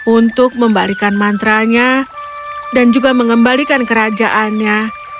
untuk membalikan mantra nya dan juga mengembalikan kerajaannya